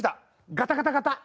ガタガタガタッ！